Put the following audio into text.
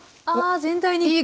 ああ全体に！